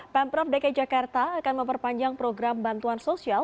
pemprov dki jakarta akan memperpanjang program bantuan sosial